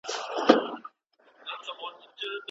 څنګه لوی سوداګر قیمتي ډبرې پاکستان ته لیږدوي؟